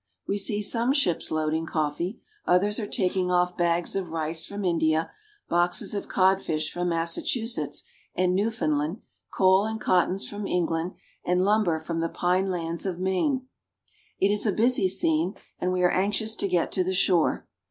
We see some ships loading coffee ; others are taking off bags of rice from India, boxes of codfish from Massachusetts and Newfoundland, coal and cottons from England, and lum ber from the pine lands of Maine. It is a busy scene, and we are anxious to get to the shore.